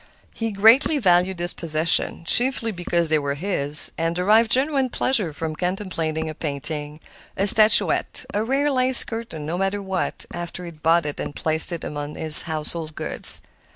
He greatly valued his possessions, chiefly because they were his, and derived genuine pleasure from contemplating a painting, a statuette, a rare lace curtain—no matter what—after he had bought it and placed it among his household gods.